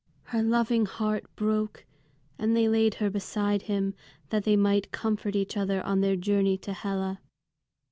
Her loving heart broke, and they laid her beside him, that they might comfort each other on their journey to Hela.